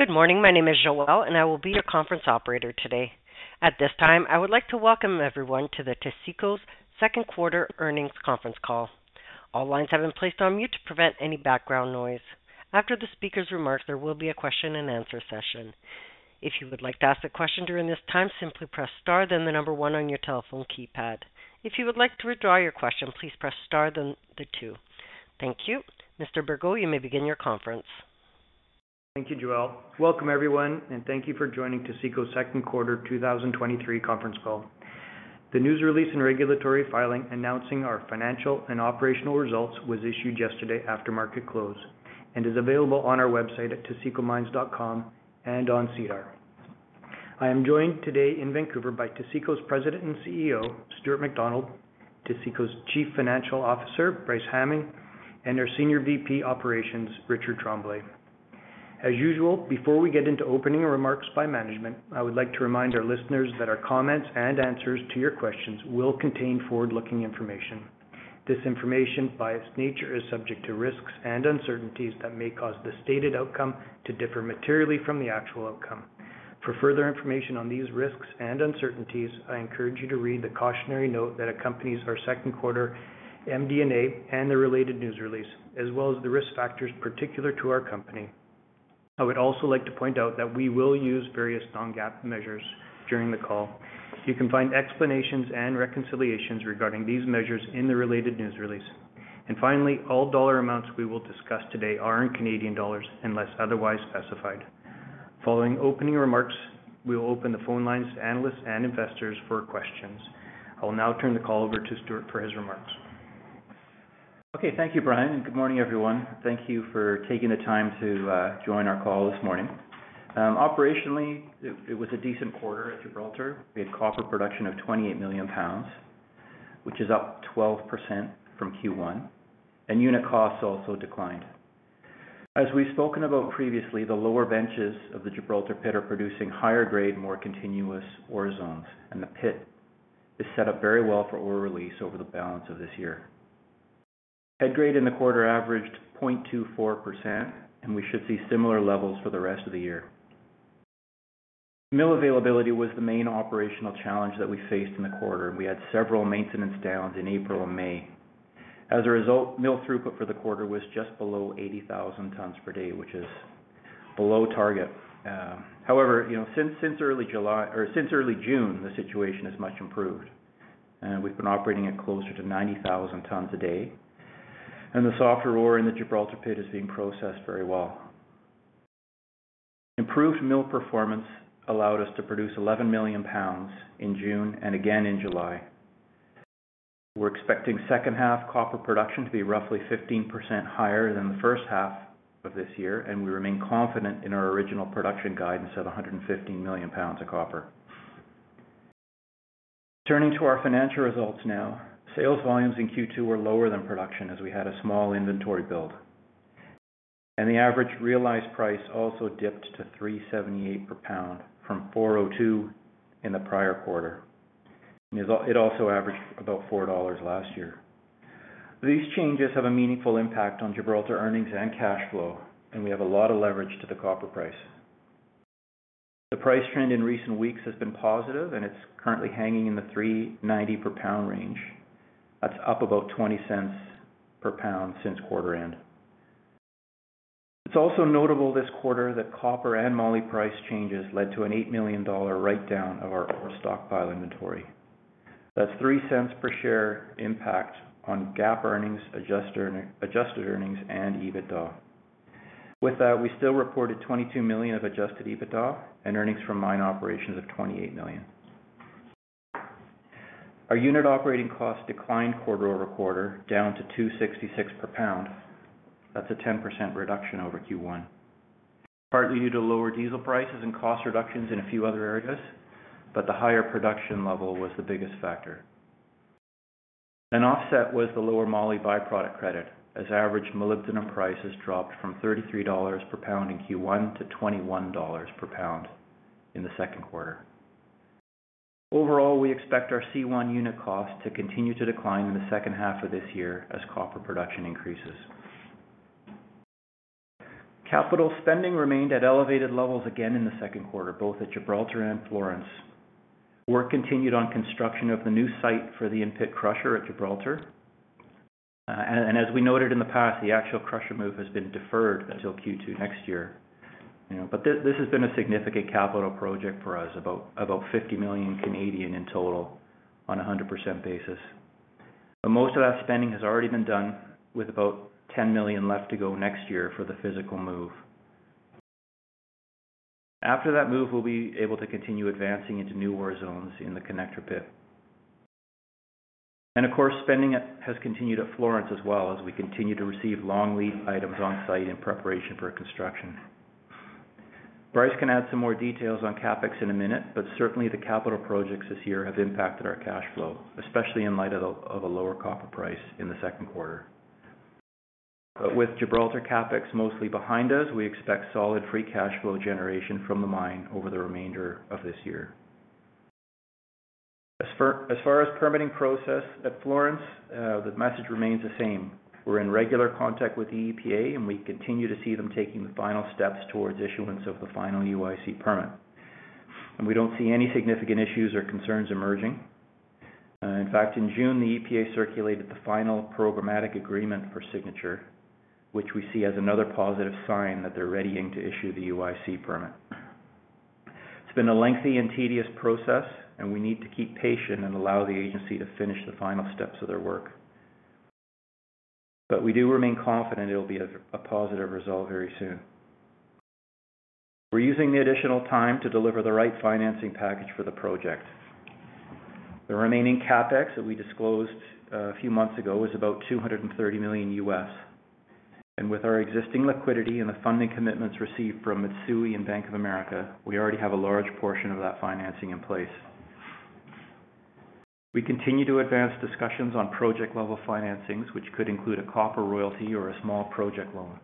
Good morning. My name is Joelle, and I will be your conference operator today. At this time, I would like to welcome everyone to the Taseko's second quarter earnings conference Call. All lines have been placed on mute to prevent any background noise. After the speaker's remarks, there will be a question-and-answer session. If you would like to ask a question during this time, simply press Star, then the number one on your telephone keypad. If you would like to withdraw your question, please press Star, then the two. Thank you. Mr. Bergot, you may begin your conference. Thank you, Joelle. Welcome, everyone, and thank you for joining Taseko's second quarter 2023 conference call. The news release and regulatory filing announcing our financial and operational results was issued yesterday after market close and is available on our website at tasekomines.com and on SEDAR. I am joined today in Vancouver by Taseko's President and CEO, Stuart McDonald, Taseko's Chief Financial Officer, Bryce Hamming, and our Senior VP Operations, Richard Tremblay. As usual, before we get into opening remarks by management, I would like to remind our listeners that our comments and answers to your questions will contain forward-looking information. This information, by its nature, is subject to risks and uncertainties that may cause the stated outcome to differ materially from the actual outcome. For further information on these risks and uncertainties, I encourage you to read the cautionary note that accompanies our second quarter MD&A and the related news release, as well as the risk factors particular to our company. I would also like to point out that we will use various non-GAAP measures during the call. You can find explanations and reconciliations regarding these measures in the related news release. Finally, all dollar amounts we will discuss today are in Canadian dollars, unless otherwise specified. Following opening remarks, we will open the phone lines to analysts and investors for questions. I will now turn the call over to Stuart for his remarks. Okay, thank you, Brian, and good morning, everyone. Thank you for taking the time to join our call this morning. Operationally, it, it was a decent quarter at Gibraltar. We had copper production of 28 million pounds, which is up 12% from Q1, and unit costs also declined. As we've spoken about previously, the lower benches of the Gibraltar pit are producing higher grade, more continuous ore zones, and the pit is set up very well for ore release over the balance of this year. Head grade in the quarter averaged 0.24%, and we should see similar levels for the rest of the year. Mill availability was the main operational challenge that we faced in the quarter, and we had several maintenance shutdowns in April and May. As a result, mill throughput for the quarter was just below 80,000 tons per day, which is below target. However, you know, since, since early July or since early June, the situation has much improved, and we've been operating at closer to 90,000 tons a day, and the softer ore in the Gibraltar pit is being processed very well. Improved mill performance allowed us to produce 11 million pounds in June and again in July. We're expecting second half copper production to be roughly 15% higher than the first half of this year, and we remain confident in our original production guidance of 150 million pounds of copper. Turning to our financial results now. Sales volumes in Q2 were lower than production as we had a small inventory build, and the average realized price also dipped to 3.78 per pound from 4.02 in the prior quarter. It also averaged about 4 dollars last year. These changes have a meaningful impact on Gibraltar earnings and cash flow, and we have a lot of leverage to the copper price. The price trend in recent weeks has been positive, and it's currently hanging in the 3.90 per pound range. That's up about 0.20 per pound since quarter end. It's also notable this quarter that copper and molybdenum price changes led to a 8 million dollar write-down of our ore stockpile inventory. That's 0.03 per share impact on GAAP earnings, adjusted earnings and EBITDA. With that, we still reported 22 million of adjusted EBITDA and earnings from mine operations of 28 million. Our unit operating costs declined quarter-over-quarter, down to 2.66 per pound. That's a 10% reduction over Q1, partly due to lower diesel prices and cost reductions in a few other areas, but the higher production level was the biggest factor. An offset was the lower molybdenum by-product credit, as average molybdenum prices dropped from 33 dollars per pound in Q1 to 21 dollars per pound in the second quarter. Overall, we expect our C1 unit cost to continue to decline in the second half of this year as copper production increases. Capital spending remained at elevated levels again in the second quarter, both at Gibraltar and Florence. Work continued on construction of the new site for the in-pit crusher at Gibraltar. As we noted in the past, the actual crusher move has been deferred until Q2 next year. You know, but this, this has been a significant capital project for us, about 50 million in total on a 100% basis. Most of that spending has already been done with about 10 million left to go next year for the physical move. After that move, we'll be able to continue advancing into new ore zones in the connector pit. Of course, spending has continued at Florence as well, as we continue to receive long lead items on site in preparation for construction. Bryce can add some more details on CapEx in a minute, but certainly, the capital projects this year have impacted our cash flow, especially in light of a lower copper price in the second quarter. With Gibraltar CapEx mostly behind us, we expect solid free cash flow generation from the mine over the remainder of this year. As far as permitting process at Florence, the message remains the same. We're in regular contact with the EPA, and we continue to see them taking the final steps towards issuance of the final UIC permit. We don't see any significant issues or concerns emerging. In fact, in June, the EPA circulated the final programmatic agreement for signature, which we see as another positive sign that they're readying to issue the UIC permit. It's been a lengthy and tedious process, and we need to keep patient and allow the agency to finish the final steps of their work. We do remain confident it'll be a a positive result very soon. We're using the additional time to deliver the right financing package for the project. The remaining CapEx that we disclosed a few months ago was about $230 million. With our existing liquidity and the funding commitments received from Mitsui and Bank of America, we already have a large portion of that financing in place. We continue to advance discussions on project-level financings, which could include a copper royalty or a small project loan.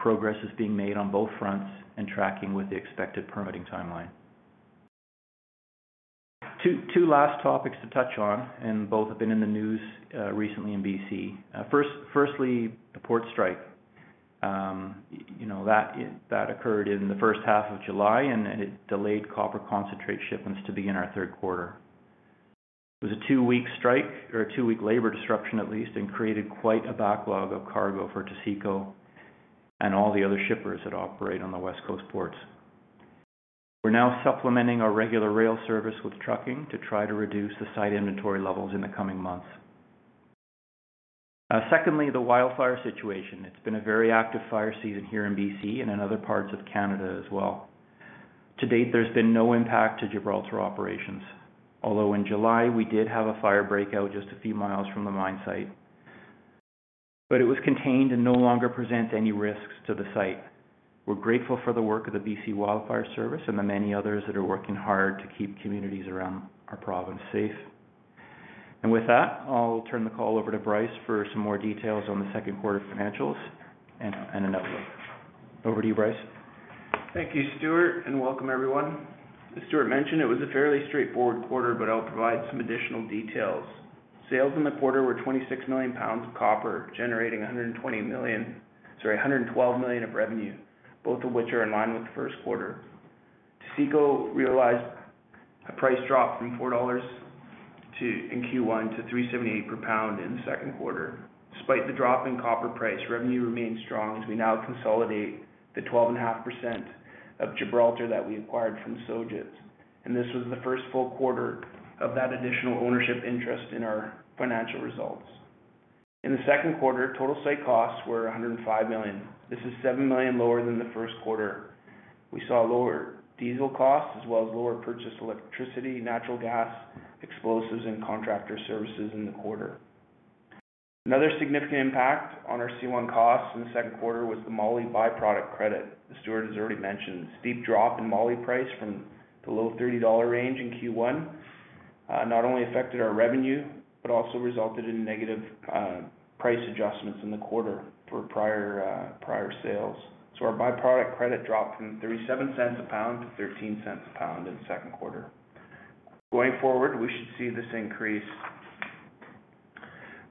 Progress is being made on both fronts and tracking with the expected permitting timeline. Two last topics to touch on, and both have been in the news recently in B.C.. Firstly, the port strike. You know, that occurred in the first half of July, and it delayed copper concentrate shipments to begin our third quarter. It was a two-week strike or a two-week labor disruption, at least, and created quite a backlog of cargo for Taseko and all the other shippers that operate on the West Coast ports. We're now supplementing our regular rail service with trucking to try to reduce the site inventory levels in the coming months. Secondly, the wildfire situation. It's been a very active fire season here in B.C. and in other parts of Canada as well. To date, there's been no impact to Gibraltar operations, although in July, we did have a fire breakout just a few miles from the mine site. It was contained and no longer presents any risks to the site. We're grateful for the work of the B.C. Wildfire Service and the many others that are working hard to keep communities around our province safe. With that, I'll turn the call over to Bryce for some more details on the second quarter financials and an outlook. Over to you, Bryce. Thank you, Stuart, and welcome, everyone. As Stuart mentioned, it was a fairly straightforward quarter, but I'll provide some additional details. Sales in the quarter were 26 million pounds of copper, generating 120 million... sorry, 112 million of revenue, both of which are in line with the first quarter. Taseko realized a price drop from $4.00 to, in Q1 to $3.78 per pound in the second quarter. Despite the drop in copper price, revenue remains strong as we now consolidate the 12.5% of Gibraltar that we acquired from Sojitz, and this was the first full quarter of that additional ownership interest in our financial results. In the second quarter, total site costs were 105 million. This is 7 million lower than the first quarter. We saw lower diesel costs, as well as lower purchased electricity, natural gas, explosives, and contractor services in the quarter. Another significant impact on our C1 costs in the second quarter was the molybdenum by-product credit. As Stuart has already mentioned, the steep drop in molybdenum price from the low 30 dollar range in Q1, not only affected our revenue, but also resulted in negative price adjustments in the quarter for prior prior sales. Our by-product credit dropped from 0.37 a pound to 0.13 a pound in the second quarter. Going forward, we should see this increase.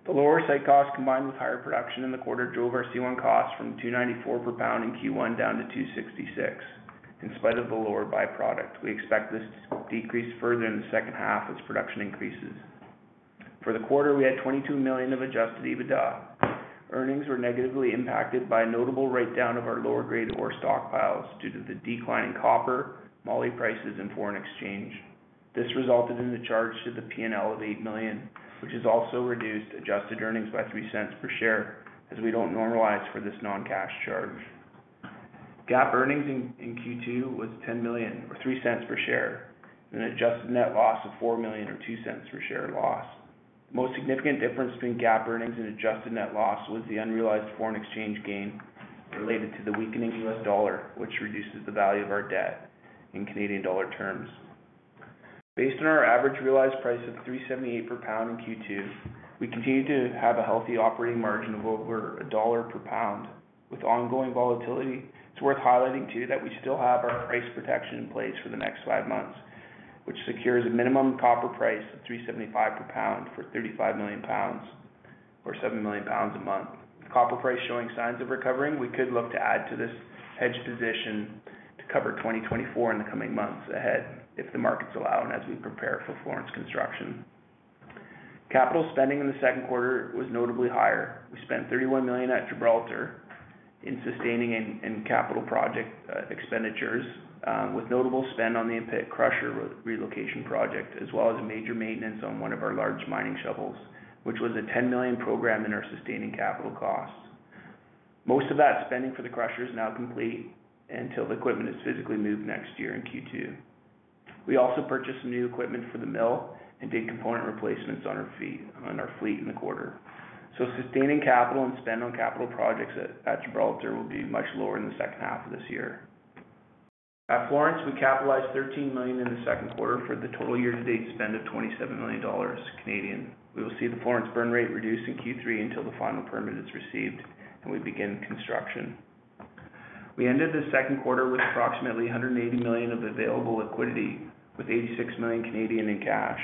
The lower site costs, combined with higher production in the quarter, drove our C1 costs from 2.94 per pound in Q1 down to 2.66. In spite of the lower by-product, we expect this to decrease further in the second half as production increases. For the quarter, we had 22 million of adjusted EBITDA. Earnings were negatively impacted by a notable write-down of our lower-grade ore stockpiles due to the decline in copper, molybdenum prices, and foreign exchange. This resulted in a charge to the PnL of 8 million, which has also reduced adjusted earnings by 0.03 per share, as we don't normalize for this non-cash charge. GAAP earnings in Q2 was 10 million or 0.03 per share, and an adjusted net loss of 4 million or 0.02 per share loss. Most significant difference between GAAP earnings and adjusted net loss was the unrealized foreign exchange gain related to the weakening US dollar, which reduces the value of our debt in Canadian dollar terms. Based on our average realized price of $3.78 per pound in Q2, we continue to have a healthy operating margin of over $1 per pound. With ongoing volatility, it's worth highlighting, too, that we still have our price protection in place for the next 5 months, which secures a minimum copper price of $3.75 per pound for 35 million pounds or 7 million pounds a month. Copper price showing signs of recovering, we could look to add to this hedge position to cover 2024 in the coming months ahead if the markets allow and as we prepare for Florence construction. Capital spending in the second quarter was notably higher. We spent 31 million at Gibraltar in sustaining and capital project expenditures, with notable spend on the in-pit crusher relocation project, as well as a major maintenance on one of our large mining shovels, which was a 10 million program in our sustaining capital costs. Most of that spending for the crusher is now complete until the equipment is physically moved next year in Q2. We also purchased some new equipment for the mill and did component replacements on our fleet in the quarter. Sustaining capital and spend on capital projects at Gibraltar will be much lower in the second half of this year. At Florence, we capitalized 13 million in the second quarter for the total year-to-date spend of 27 million Canadian dollars. We will see the Florence burn rate reduce in Q3 until the final permit is received and we begin construction. We ended the second quarter with approximately $180 million of available liquidity, with 86 million in cash.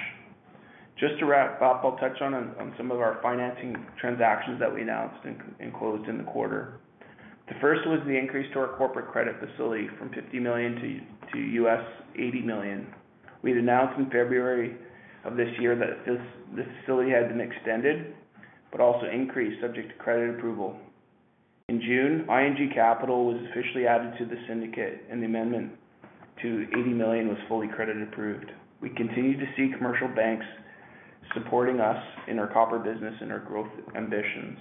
Just to wrap up, I'll touch on some of our financing transactions that we announced and closed in the quarter. The first was the increase to our corporate credit facility from $50 million to $80 million. We had announced in February of this year that this facility had been extended, but also increased, subject to credit approval. In June, ING Capital was officially added to the syndicate, and the amendment to $80 million was fully credit approved. We continue to see commercial banks supporting us in our copper business and our growth ambitions.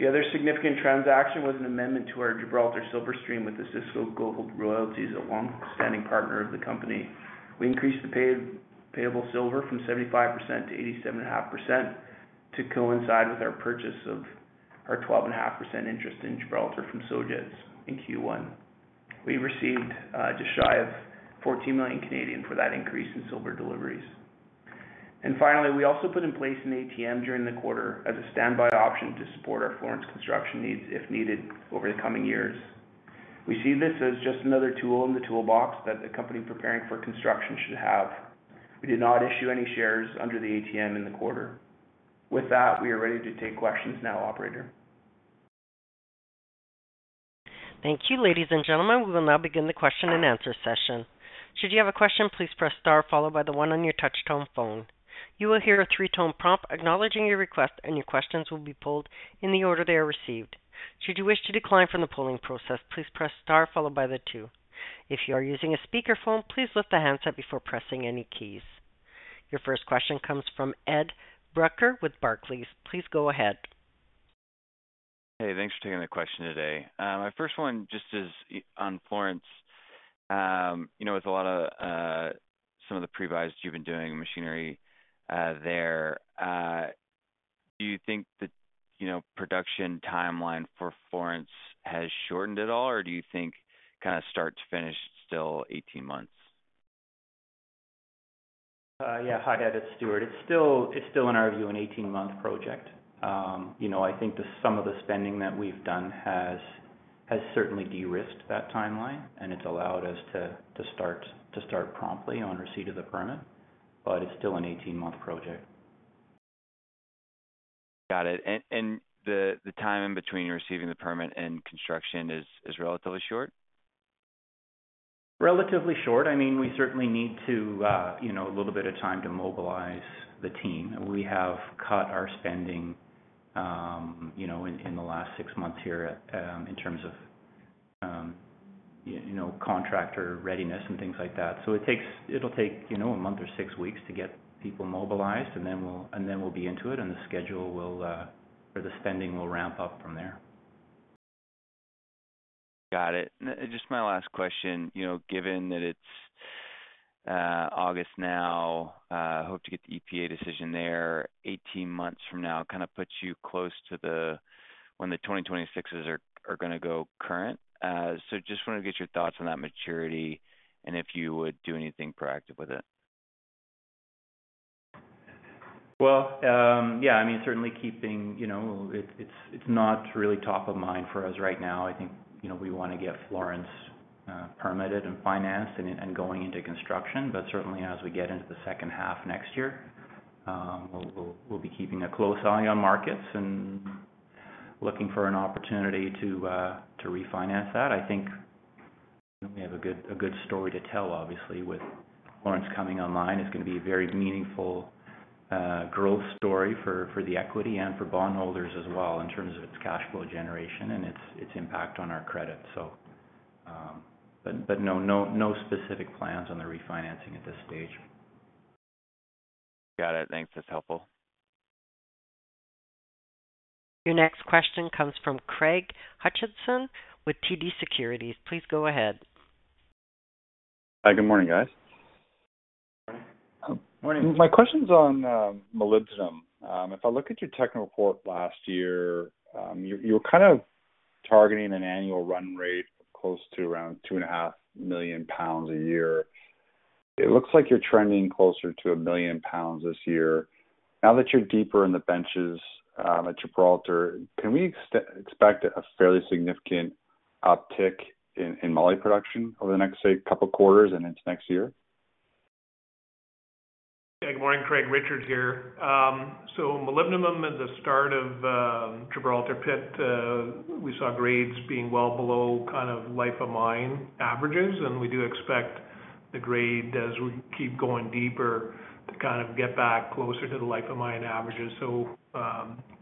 The other significant transaction was an amendment to our Gibraltar silver stream with the Osisko Gold Royalties, a long-standing partner of the company. We increased the paid, payable silver from 75% to 87.5%, to coincide with our purchase of our 12.5% interest in Gibraltar from Sojitz in Q1. We received just shy of 14 million for that increase in silver deliveries. Finally, we also put in place an ATM during the quarter as a standby option to support our Florence construction needs, if needed, over the coming years. We see this as just another tool in the toolbox that a company preparing for construction should have. We did not issue any shares under the ATM in the quarter. With that, we are ready to take questions now, operator. Thank you. Ladies and gentlemen, we will now begin the question-and-answer session. Should you have a question, please press star followed by the 1 on your touchtone phone. You will hear a three-tone prompt acknowledging your request, and your questions will be polled in the order they are received. Should you wish to decline from the polling process, please press star followed by the 2. If you are using a speakerphone, please lift the handset before pressing any keys. Your first question comes from Ed Brucker with Barclays. Please go ahead. Hey, thanks for taking the question today. My first one just is on Florence. You know, with a lot of, some of the pre-buys you've been doing machinery, there, do you think the, you know, production timeline for Florence has shortened at all, or do you think, kind of, start to finish, still 18 months? Yeah. Hi, Ed, it's Stuart. It's still, it's still, in our view, an 18-month project. You know, I think that some of the spending that we've done has, has certainly de-risked that timeline, and it's allowed us to, to start, to start promptly on receipt of the permit, but it's still an 18-month project. Got it. The time in between receiving the permit and construction is relatively short? Relatively short. I mean, we certainly need to, you know, a little bit of time to mobilize the team. We have cut our spending, you know, in, in the last 6 months here at, in terms of, you, you know, contractor readiness and things like that. So it takes. It'll take, you know, 1 month or 6 weeks to get people mobilized, and then we'll, and then we'll be into it, and the schedule will, or the spending will ramp up from there. Got it. Just my last question. You know, given that it's August now, hope to get the EPA decision there 18 months from now, kind of, puts you close to the... when the 2026s are, are going to go current. Just want to get your thoughts on that maturity, and if you would do anything proactive with it? Well, yeah, I mean, certainly keeping, you know, it's, it's, it's not really top of mind for us right now. I think, you know, we want to get Florence permitted and financed and, and going into construction. Certainly, as we get into the second half next year, we'll, we'll, we'll be keeping a close eye on markets and looking for an opportunity to refinance that. I think we have a good, a good story to tell, obviously, with Florence coming online. It's going to be a very meaningful growth story for, for the equity and for bondholders as well, in terms of its cash flow generation and its, its impact on our credit, so. But, no, no specific plans on the refinancing at this stage. Got it. Thanks, that's helpful. Your next question comes from Craig Hutchison with TD Securities. Please go ahead. Hi, good morning, guys. Morning. My question's on molybdenum. If I look at your technical report last year, you, you're kind of targeting an annual run rate close to around 2.5 million pounds a year. It looks like you're trending closer to 1 million pounds this year. Now that you're deeper in the benches at Gibraltar, can we expect a fairly significant uptick in molybdenum production over the next, say, couple quarters and into next year? Yeah, good morning, Craig. Richard here. Molybdenum, at the start of Gibraltar pit, we saw grades being well below, kind of, life of mine averages, and we do expect the grade, as we keep going deeper, to kind of get back closer to the life of mine averages.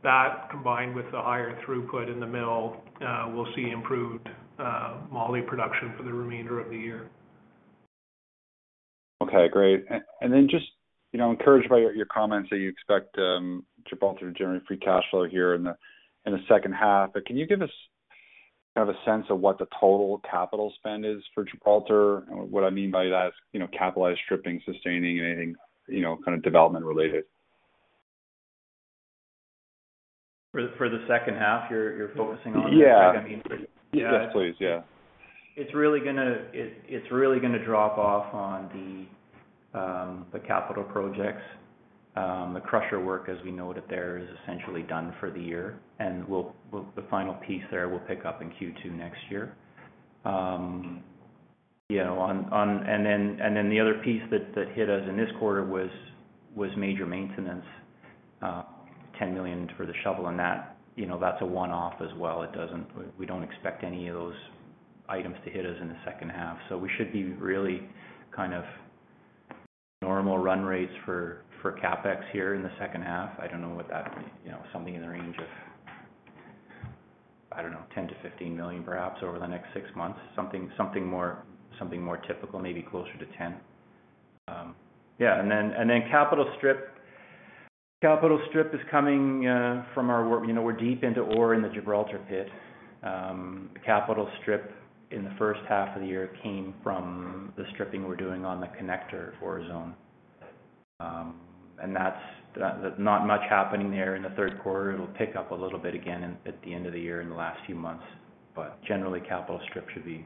That combined with the higher throughput in the mill, we'll see improved molybdenum production for the remainder of the year. Okay, great. Then just, you know, encouraged by your, your comments that you expect Gibraltar to generate free cash flow here in the second half, but can you give us kind of a sense of what the total capital spend is for Gibraltar? What I mean by that is, you know, capitalized stripping, sustaining, anything, you know, kind of, development related. For, for the second half, you're, you're focusing on? Yeah. I mean... Yes, please. Yeah. It's really gonna, it, it's really gonna drop off on the capital projects. The crusher work, as we noted there, is essentially done for the year, and we'll the final piece there will pick up in Q2 next year. You know, the other piece that hit us in this quarter was major maintenance, 10 million for the shovel, and that, you know, that's a one-off as well. It doesn't. We don't expect any of those items to hit us in the second half. We should be really kind of normal run rates for CapEx here in the second half. I don't know what that, you know, something in the range of, I don't know, 10 million-15 million, perhaps, over the next 6 months. Something, something more, something more typical, maybe closer to 10. Yeah, capital strip, capital strip is coming from our work. You know, we're deep into ore in the Gibraltar pit. The capital strip in the first half of the year came from the stripping we're doing on the connector ore zone. That's not much happening there in the third quarter. It'll pick up a little bit again in, at the end of the year, in the last few months. Generally, capital strip should be,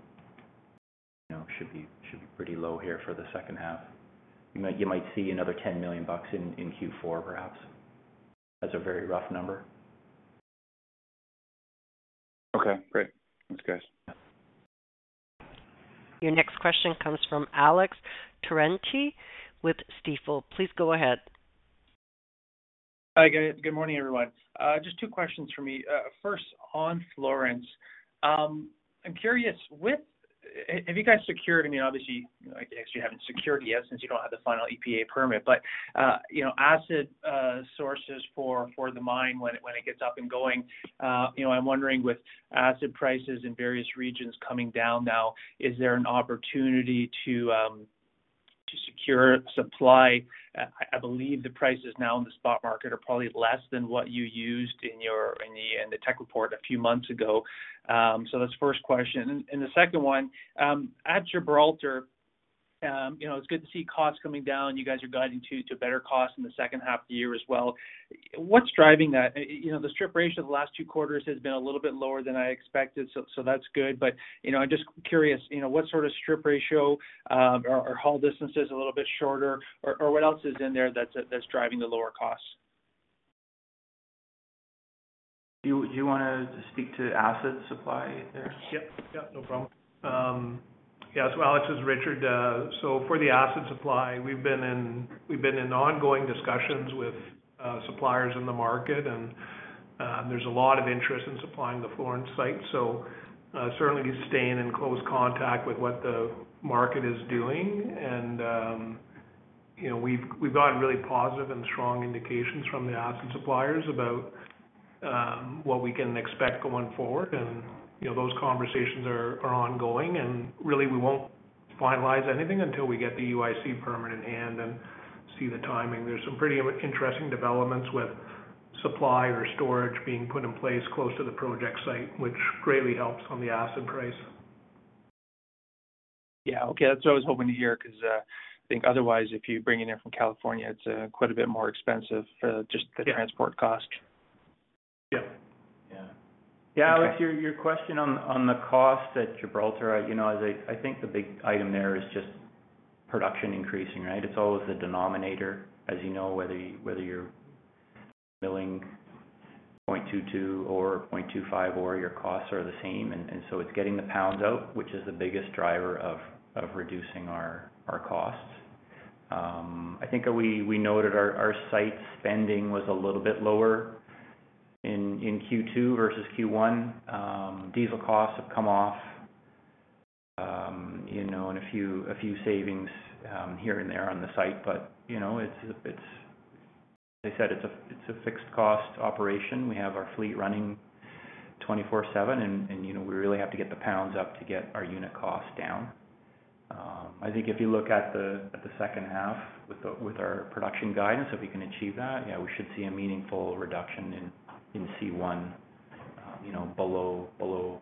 you know, should be, should be pretty low here for the second half. You might, you might see another 10 million bucks in, in Q4, perhaps. That's a very rough number. Okay, great. Thanks, guys. Your next question comes from Alex Terentiew with Stifel. Please go ahead. Hi, guys. Good morning, everyone. Just two questions for me. First, on Florence. I'm curious, Have you guys secured, I mean, obviously, I guess you haven't secured yet, since you don't have the final EPA permit, but, you know, acid sources for the mine when it gets up and going. You know, I'm wondering with acid prices in various regions coming down now, is there an opportunity to secure supply? I believe the prices now in the spot market are probably less than what you used in your tech report a few months ago. So that's the first question. The second one, at Gibraltar, you know, it's good to see costs coming down. You guys are guiding to, to better costs in the second half of the year as well. What's driving that? You know, the strip ratio the last 2 quarters has been a little bit lower than I expected, so, so that's good. But, you know, I'm just curious, you know, what sort of strip ratio, are, are haul distances a little bit shorter, or, or what else is in there that's, that's driving the lower costs? Do you, do you want to speak to acid supply there? Yep. Yep, no problem. Yeah. Alex, this is Richard. For the acid supply, we've been in, we've been in ongoing discussions with suppliers in the market, and there's a lot of interest in supplying the Florence site. Certainly staying in close contact with what the market is doing. You know, we've, we've gotten really positive and strong indications from the acid suppliers about what we can expect going forward. You know, those conversations are, are ongoing, and really, we won't finalize anything until we get the UIC permit in hand and see the timing. There's some pretty interesting developments with supply or storage being put in place close to the project site, which greatly helps on the acid price. Yeah, okay. That's what I was hoping to hear, 'cause, I think otherwise, if you bring it in from California, it's, quite a bit more expensive for just- Yeah. the transport cost. Yep. Yeah. Yeah, Alex- Okay. Your question on, on the cost at Gibraltar, you know, I, I think the big item there is just production increasing, right? It's always the denominator, as you know, whether you, whether you're milling 0.22 or 0.25, or your costs are the same. And so it's getting the pounds out, which is the biggest driver of, of reducing our, our costs. I think we, we noted our, our site spending was a little bit lower in, in Q2 versus Q1. Diesel costs have come off, you know, and a few, a few savings here and there on the site. You know, it's, it's... Like I said, it's a, it's a fixed cost operation. We have our fleet running 24/7, and, you know, we really have to get the pounds up to get our unit costs down. I think if you look at the, at the second half with the, with our production guidance, if we can achieve that, yeah, we should see a meaningful reduction in, in C1, you know, below, below,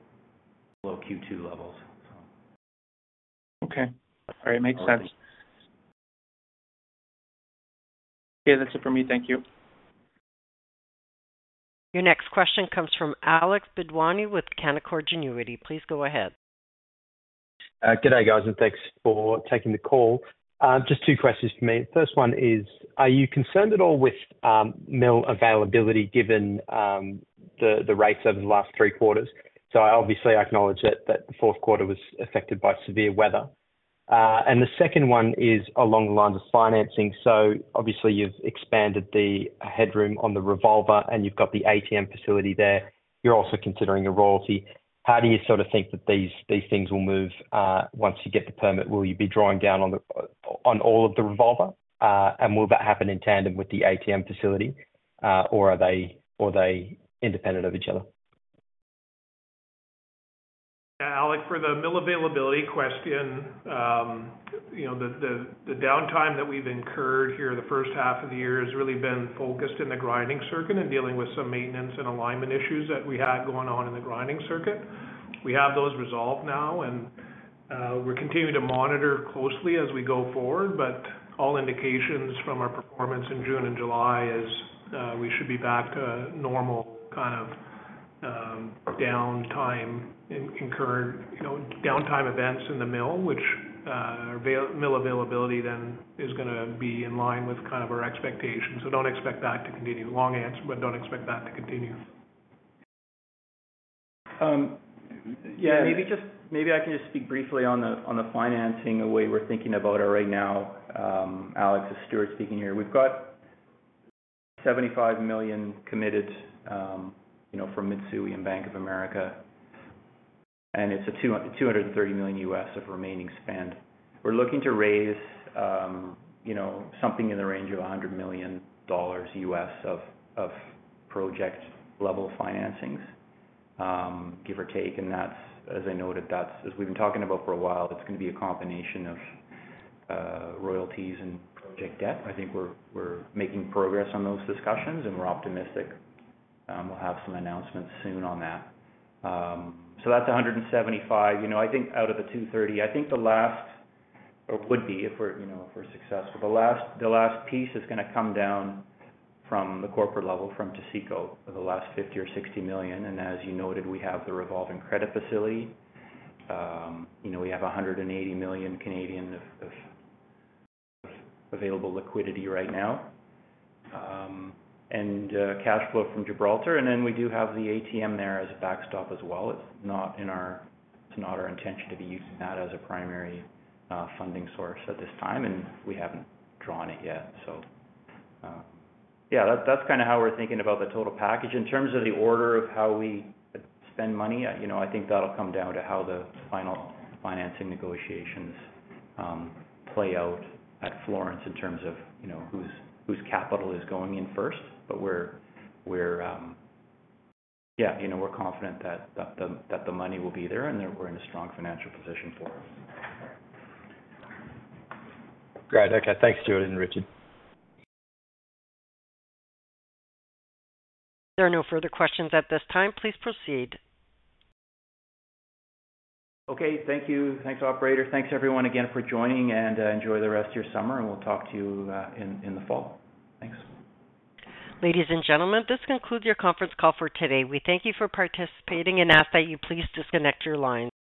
below Q2 levels. Okay. All right. Makes sense. Okay, that's it for me. Thank you. Your next question comes from Alex Bedwany with Canaccord Genuity. Please go ahead. Good day, guys, and thanks for taking the call. Just two questions for me. First one is, are you concerned at all with mill availability, given the rates over the last three quarters? I obviously acknowledge that the fourth quarter was affected by severe weather. The second one is along the lines of financing. Obviously, you've expanded the headroom on the revolver, and you've got the ATM facility there. You're also considering a royalty. How do you sort of think that these things will move once you get the permit? Will you be drawing down on all of the revolver? Will that happen in tandem with the ATM facility, or are they independent of each other? Yeah, Alex, for the mill availability question, you know, the downtime that we've incurred here in the first half of the year has really been focused in the grinding circuit and dealing with some maintenance and alignment issues that we had going on in the grinding circuit. We have those resolved now. We're continuing to monitor closely as we go forward, but all indications from our performance in June and July is, we should be back to normal kind of downtime and concurrent, you know, downtime events in the mill, which mill availability then is gonna be in line with kind of our expectations. Don't expect that to continue. Long answer, don't expect that to continue. Yeah, maybe just, maybe I can just speak briefly on the, on the financing, the way we're thinking about it right now, Alex, as Stuart's speaking here. We've got $75 million committed, you know, from Mitsui and Bank of America, and it's a $230 million of remaining spend. We're looking to raise, you know, something in the range of $100 million of, of project level financings, give or take. And that's, as I noted, that's as we've been talking about for a while, it's gonna be a combination of royalties and project debt. I think we're, we're making progress on those discussions, and we're optimistic. We'll have some announcements soon on that. So that's 175, you know, I think out of the 230, I think the last, or would be, if we're, you know, if we're successful, the last, the last piece is going to come down from the corporate level, from Taseko, for the last 50 million-60 million. As you noted, we have the revolving credit facility. You know, we have 180 million of available liquidity right now, and cash flow from Gibraltar, and then we do have the ATM there as a backstop as well. It's not our intention to be using that as a primary funding source at this time, and we haven't drawn it yet. Yeah, that's, that's kind of how we're thinking about the total package. In terms of the order of how we spend money, you know, I think that'll come down to how the final financing negotiations, play out at Florence in terms of, you know, whose, whose capital is going in first. We're, we're, yeah, you know, we're confident that, that the, that the money will be there and that we're in a strong financial position for it. Great. Okay. Thanks, Stuart and Richard. There are no further questions at this time. Please proceed. Okay. Thank you. Thanks, operator. Thanks everyone again for joining. Enjoy the rest of your summer. We'll talk to you in the fall. Thanks. Ladies and gentlemen, this concludes your conference call for today. We thank you for participating and ask that you please disconnect your lines.